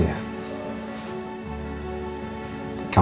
ya udah temenin papa